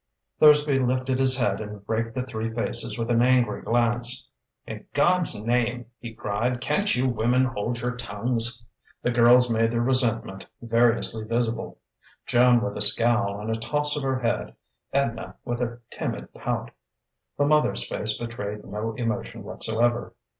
_" Thursby lifted his head and raked the three faces with an angry glance. "In God's name!" he cried "can't you women hold your tongues?" The girls made their resentment variously visible: Joan with a scowl and a toss of her head, Edna with a timid pout. The mother's face betrayed no emotion whatsoever.